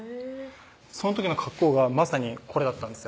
その時の格好がまさにこれだったんですよ